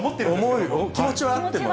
思う気持ちはあってもね。